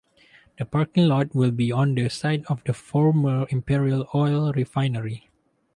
The parking lot will be on the site of the former Imperial Oil Refinery.